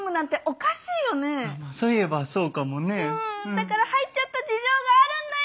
だから入っちゃった事情があるんだよ！